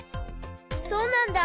そうなんだ。